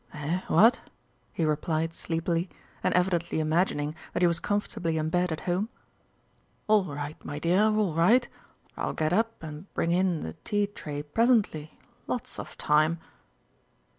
"Eh, what?" he replied sleepily, and evidently imagining that he was comfortably in bed at home; "all right, my dear, all right! I'll get up and bring in the tea tray presently. Lots of time....